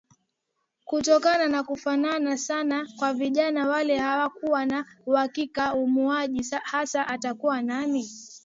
Kutokana na kufanana sana kwa vijana wale hawakuwa na uhakika muuaji hasa atakuwa nani